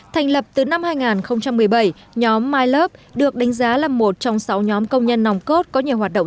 thành lập từ năm hai nghìn một mươi bảy nhóm mylove được đánh giá là một trong sáu nhóm công nhân nòng cốt có nhiều hoạt động